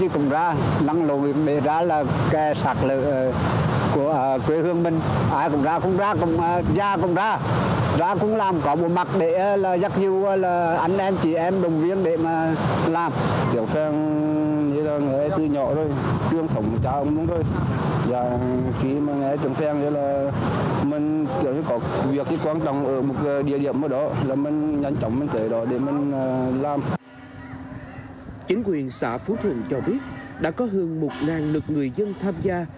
chính quyền xã phú thuận cho biết đã có hơn một lực người dân tham gia